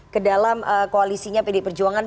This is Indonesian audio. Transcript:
ke dalam koalisinya pd perjuangan